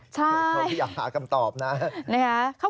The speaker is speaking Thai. ใช่นะคะเขาก็อยากหากำตอบนะเนี่ยครับ